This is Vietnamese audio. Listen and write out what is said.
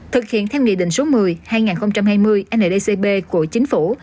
thực hiện theo nghị định số một mươi hai nghìn hai mươi ndcb của chính phủ